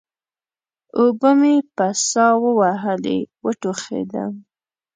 اوبه مې په سا ووهلې؛ وټوخېدم.